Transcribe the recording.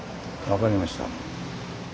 分かりました。